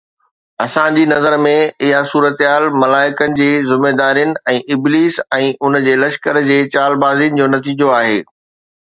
اسان جي نظر ۾ اها صورتحال ملائڪن جي ذميدارين ۽ ابليس ۽ ان جي لشڪر جي چالبازين جو نتيجو آهي.